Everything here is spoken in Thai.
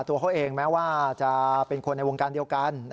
ตัวเขาเองแม้ว่าจะเป็นคนในวงการเดียวกัน